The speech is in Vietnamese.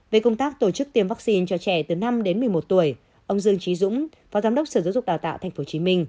về công tác tổ chức tiêm vaccine cho trẻ từ năm đến một mươi một tuổi ông dương trí dũng phó giám đốc sở giáo dục đào tạo tp hcm